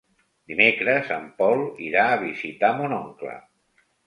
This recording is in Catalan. Dimecres en Pol irà a visitar mon oncle.